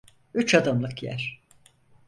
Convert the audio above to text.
Üç adımlık yer!